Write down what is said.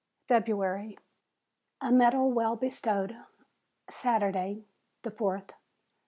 FEBRUARY A MEDAL WELL BESTOWED Saturday, 4th.